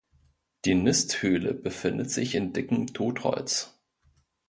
Die Nisthöhle befindet sich in dickem Totholz.